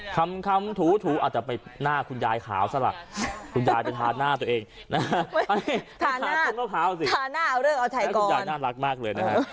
คำคำถูถูอาจจะไปหน้าคุณยายขาวซะหลักคุณยายไปทานหน้าตัวเองทานหน้าทานหน้าเอาเรื่องออร์ไทยกรคุณยายน่ารักมากเลยนะฮะ